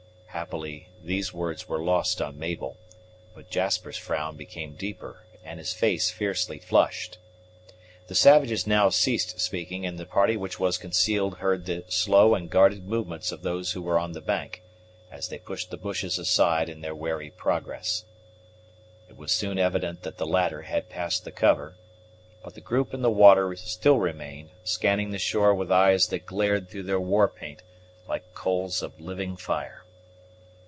Happily these words were lost on Mabel; but Jasper's frown became deeper, and his face fiercely flushed. The savages now ceased speaking, and the party which was concealed heard the slow and guarded movements of those who were on the bank, as they pushed the bushes aside in their wary progress. It was soon evident that the latter had passed the cover; but the group in the water still remained, scanning the shore with eyes that glared through their war paint like coals of living fire.